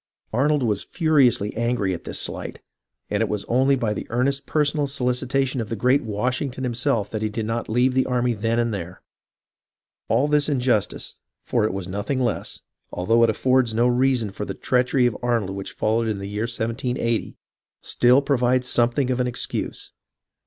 Arnold was furiously angry at this slight, and it was only by the earnest personal solicitation of the great Washington himself that he did not leave the army then and there. All this injustice, for it was nothing less, al though it affords no just reason for the treachery of Arnold which followed in the year 1780, still provides some thing of an excuse.